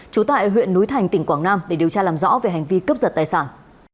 trú tại huyện núi thành tỉnh quảng nam để điều tra làm rõ về hành vi cướp giật tài sản